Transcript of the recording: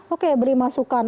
oke beri masukan